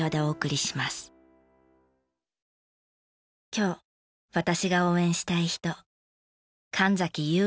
今日私が応援したい人。